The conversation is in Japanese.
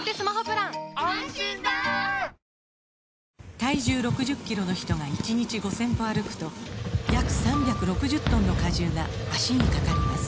体重６０キロの人が１日５０００歩歩くと約３６０トンの荷重が脚にかかります